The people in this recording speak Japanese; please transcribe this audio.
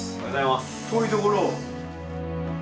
遠いところを。